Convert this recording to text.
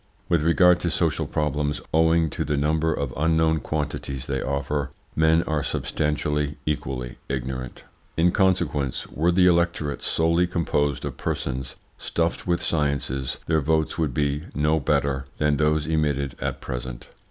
With regard to social problems, owing to the number of unknown quantities they offer, men are substantially, equally ignorant. In consequence, were the electorate solely composed of persons stuffed with sciences their votes would be no better than those emitted at present.